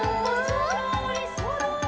「そろーりそろり」